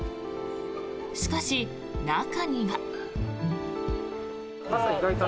しかし、中には。